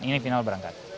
ini final berangkat